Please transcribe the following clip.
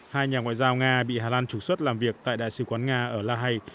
hai nhà ngoại giao nga bị hà lan trục xuất làm việc tại đại sứ quán nga ở la hay